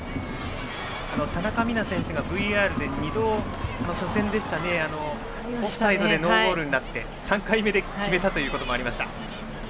田中美南選手がＶＡＲで初戦２度オフサイドでノーゴールになって３回目で決めたこともありました。